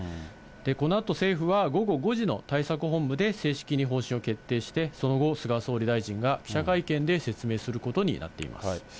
このあと政府は午後５時の対策本部で正式に方針を決定して、その後、菅総理大臣が記者会見で説明することになっています。